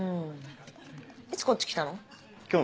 いつこっち来たの？